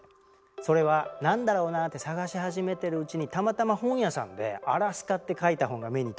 それは何だろうなって探し始めてるうちにたまたま本屋さんで「アラスカ」って書いた本が目に留まったのよ。